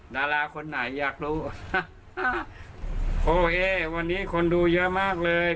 ดาราคนไหนอยากรู้โอเควันนี้คนดูเยอะมากเลย